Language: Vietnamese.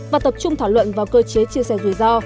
và tập trung thảo luận vào cơ chế chia sẻ rủi ro